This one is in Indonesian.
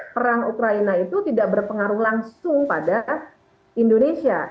perang ukraina itu tidak berpengaruh langsung pada indonesia